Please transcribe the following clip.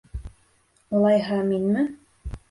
Улайһа, минме?